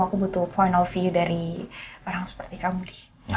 aku butuh point of view dari orang seperti kamu di